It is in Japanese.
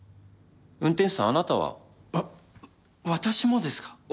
運転手さんあなたは？わ私もですか？